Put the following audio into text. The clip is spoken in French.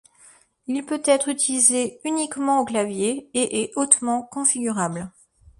Il peut être utilisé uniquement au clavier, et est hautement configurable.